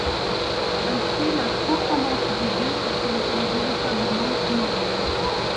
Ainsi la transcendance de Dieu se trouve-t-elle véritablement honorée.